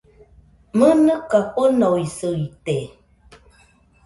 ¡Mɨnɨka fɨnoisɨite!